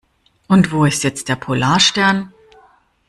Und wo ist jetzt der Polarstern?